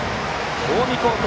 近江高校